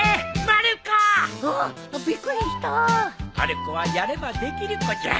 まる子はやればできる子じゃ。